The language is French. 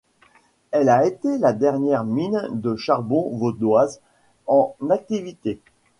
Elle a été la dernière mine de charbon vaudoise en activité.